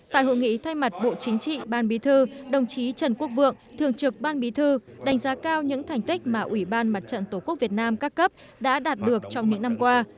tại hội nghị thay mặt bộ chính trị ban bí thư đồng chí trần quốc vượng thường trực ban bí thư đánh giá cao những thành tích mà ủy ban mặt trận tổ quốc việt nam các cấp đã đạt được trong những năm qua